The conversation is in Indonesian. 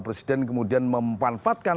presiden kemudian memanfaatkan